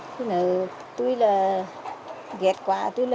khi nào gạt quát